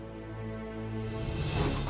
dia berusaha untuk memperingatkan aku